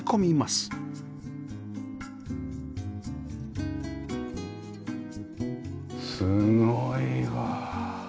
すごいわ。